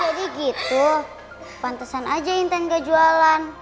oh jadi gitu pantesan aja intan gak jualan